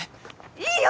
いいよ